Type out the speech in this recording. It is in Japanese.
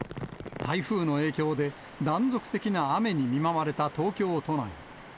台風の影響で、断続的な雨に見舞われた東京都内。